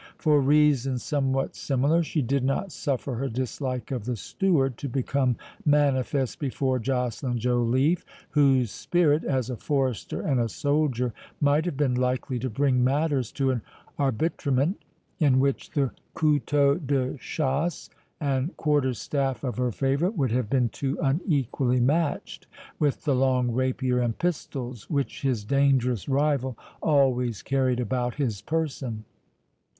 For reasons somewhat similar, she did not suffer her dislike of the steward to become manifest before Joceline Joliffe, whose spirit, as a forester and a soldier, might have been likely to bring matters to an arbitrement, in which the couteau de chasse and quarterstaff of her favourite, would have been too unequally matched with the long rapier and pistols which his dangerous rival always carried about his person.